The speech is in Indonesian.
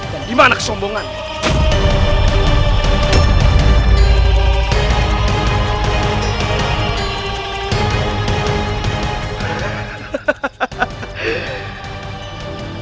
dan dimana kesombonganmu